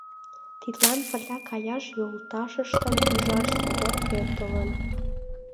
Тидлан пырля каяш йолташыштым ӱжаш содор пӧртылын.